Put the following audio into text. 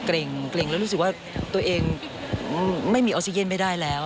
เกร็งแล้วรู้สึกว่าตัวเองไม่มีออกซิเจนไม่ได้แล้ว